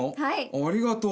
ありがとう。